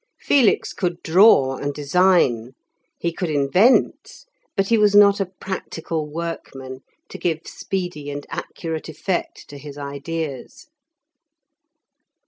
Felix could draw, and design; he could invent, but he was not a practical workman, to give speedy and accurate effect to his ideas.